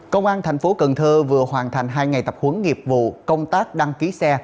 công an thành phố cần thơ vừa hoàn thành hai ngày tập huấn nghiệp vụ công tác đăng ký xe